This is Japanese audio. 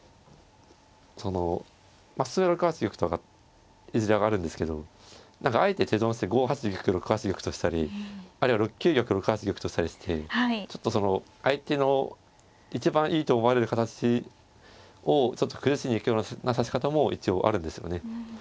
その普通は６八玉と上がるいずれ上がるんですけど何かあえて手損して５八玉か６八玉としたりあるいは６九玉６八玉としたりしてちょっとその相手の一番いいと思われる形をちょっと崩しに行くような指し方も一応あるんですよね。